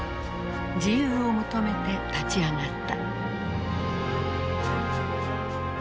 自由を求めて立ち上がった。